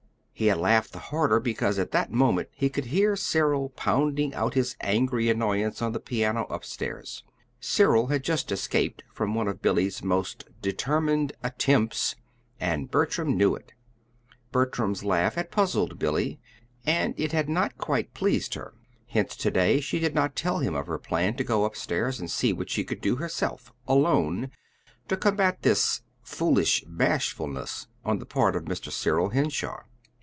He had laughed the harder because at that moment he could hear Cyril pounding out his angry annoyance on the piano upstairs Cyril had just escaped from one of Billy's most determined "attempts," and Bertram knew it. Bertram's laugh had puzzled Billy and it had not quite pleased her. Hence to day she did not tell him of her plan to go up stairs and see what she could do herself, alone, to combat this "foolish bashfulness" on the part of Mr. Cyril Henshaw.